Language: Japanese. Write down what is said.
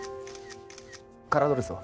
カラードレスは？